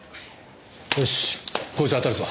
よしこいつ当たるぞ。